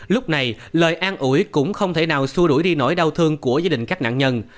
lúc này lời an ủi cũng không thể nào xua đuổi đi nỗi đau thương của gia đình các nạn nhân